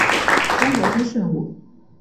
中国军事人物。